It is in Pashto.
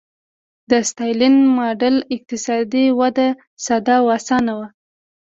د ستالین ماډل اقتصادي وده ساده او اسانه وه